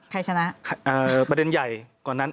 ใครชนะประเด็นใหญ่กว่านั้น